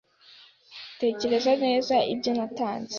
Tekereza neza ibyo natanze.